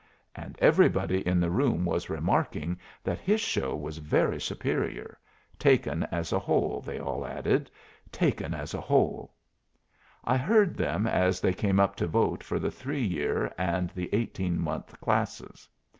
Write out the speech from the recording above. And everybody in the room was remarking that his show was very superior, taken as a whole they all added, "taken as a whole"; I heard them as they came up to vote for the 3 year and the 18 month classes.